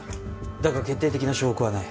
だが決定的な証拠はない。